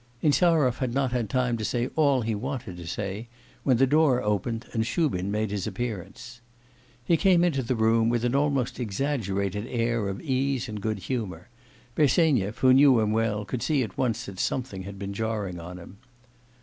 Insarov had not had time to say all he wanted to say, when the door opened and Shubin made his appearance. He came into the room with an almost exaggerated air of ease and good humour; Bersenyev, who knew him well, could see at once that something had been jarring on him.